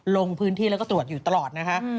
ลงพื้นที่แล้วก็ตรวจอยู่ตลอดนะคะ